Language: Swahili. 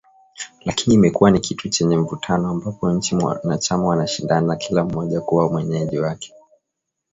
Lakini imekuwa ni kitu chenye mvutano, ambapo nchi wanachama wanashindana kila mmoja kuwa mwenyeji wake.